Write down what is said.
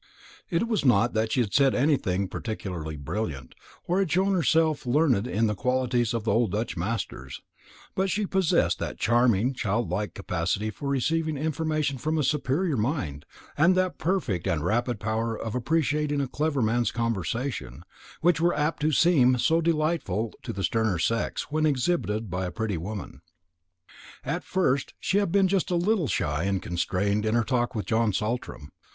It was not that she had said anything particularly brilliant, or had shown herself learned in the qualities of the old Dutch masters; but she possessed that charming childlike capacity for receiving information from a superior mind, and that perfect and rapid power of appreciating a clever man's conversation, which are apt to seem so delightful to the sterner sex when exhibited by a pretty woman. At first she had been just a little shy and constrained in her talk with John Saltram.